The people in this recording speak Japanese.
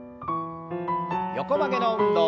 横曲げの運動。